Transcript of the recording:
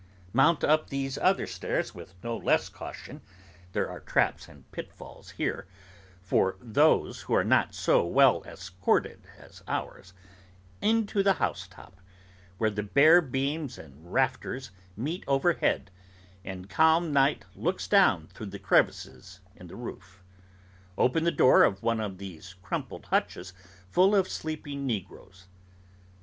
Mount up these other stairs with no less caution (there are traps and pitfalls here, for those who are not so well escorted as ourselves) into the housetop; where the bare beams and rafters meet overhead, and calm night looks down through the crevices in the roof. Open the door of one of these cramped hutches full of sleeping negroes.